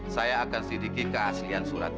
saya akan sedikit keaslian surat ini